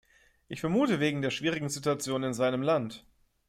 Ich vermute wegen der schwierigen Situation in seinem Land.